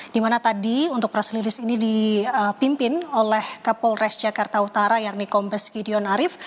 dimana tadi untuk press release ini dipimpin oleh kapolres jakarta utara yakni kombes gideon arief